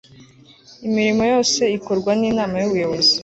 imirimo yose ikorwa n'inama y'ubuyobozi